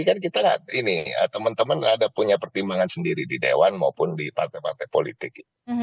kan kita ini teman teman ada punya pertimbangan sendiri di dewan maupun di partai partai politik